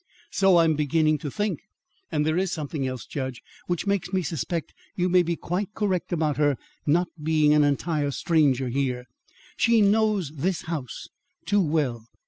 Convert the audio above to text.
"So I'm beginning to think. And there is something else, judge, which makes me suspect you may be quite correct about her not being an entire stranger here. She knows this house too well."